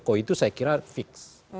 pak jokowi itu saya kira fix